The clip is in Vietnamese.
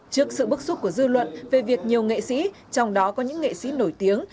trước sự bức xúc của dư luận về việc nhiều nghệ sĩ trong đó có những nghệ sĩ nổi tiếng